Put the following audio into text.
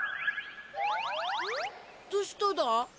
どうしただ？